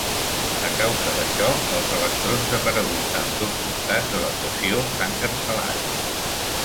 A causa d'això, els electrons apareguts a ambdós costats de la equació s'han cancel·lat.